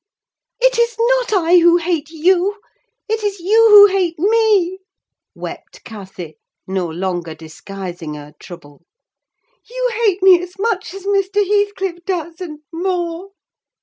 "It is not I who hate you, it is you who hate me!" wept Cathy, no longer disguising her trouble. "You hate me as much as Mr. Heathcliff does, and more."